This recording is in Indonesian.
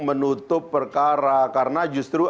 menutup perkara karena justru